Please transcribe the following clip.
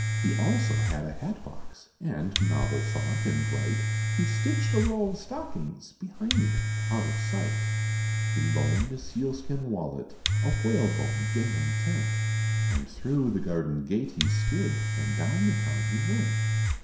He also had a hatbox, and novel thought, and bright; He stitched a row of stockings behind him out of sight, He loaned a sealskin wallet, a whalebone gingham tent, And through the garden gate he skid, and down the town he went.